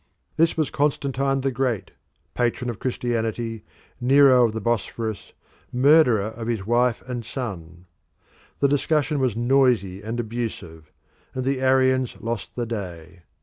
This was Constantine the great, patron of Christianity, Nero of the Bosphorus, murderer of his wife and son. The discussion was noisy and abusive, and the Arians lost the day.